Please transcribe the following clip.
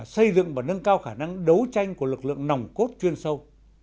xây dựng và nâng cao khả năng đấu tranh của lực lượng nòng cốt chuyên sâu